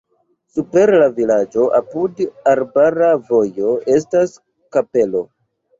Super la vilaĝo apud arbara vojo estas kapelo.